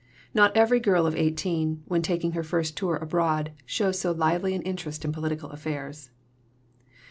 Not every girl of eighteen, when taking her first tour abroad, shows so lively an interest in political affairs.